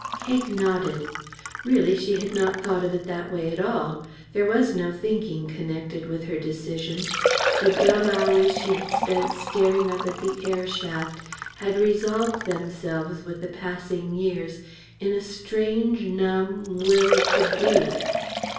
Cake nodded. Really she had not thought of it that way at all. There was no thinking connected with her decision. The dumb hours she had spent staring up the air shaft had resolved themselves with the passing years into a strange, numb will to do.